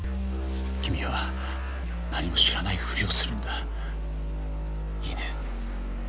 君は何も知らないふりをするんだ。いいね？